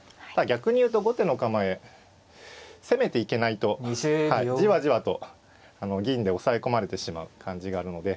逆に言うと後手の構え攻めていけないとじわじわと銀で押さえ込まれてしまう感じがあるので。